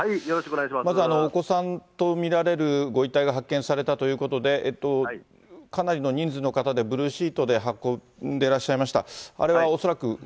まずお子さんと見られるご遺体が発見されたということで、かなりの人数の方で、ブルーシートで運んでらっしゃいました。